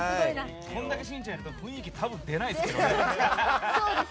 これだけしんちゃんがいると雰囲気、多分出ないですね。